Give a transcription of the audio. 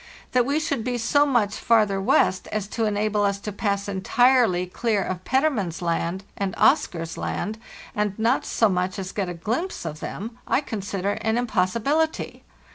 * That we should be so much farther west as to enable us to pass entirely clear of Petermann's Land and Oscar's Land, and not so much as get a glimpse of them, I consider an impossi bility.